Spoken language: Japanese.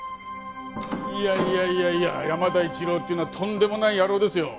いやいやいやいや山田一郎っていうのはとんでもない野郎ですよ。